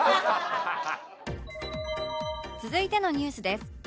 続いてのニュースです